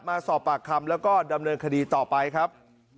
มาสอบปากคำแล้วก็ดำเนินคดีต่อไปครับ